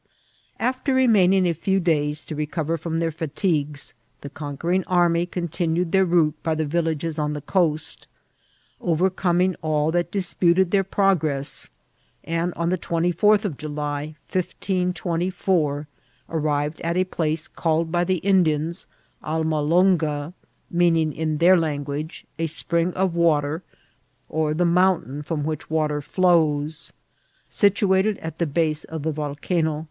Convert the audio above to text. After re maining a few days to recover from their fritigues, the conquering army continued their route by the villages on the coast, overcoming all that disputed their prog ress ; and on the 24th of July, 1524, arrived at a place called by the Indians Almolonga, meaning, in their language, a spring of water (or the mountain from which water flows), situated at the base of the Volcano FOUNDATION OF CIUDAD TIBJA.